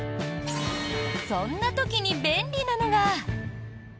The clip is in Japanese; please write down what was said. そんな時に便利なのが。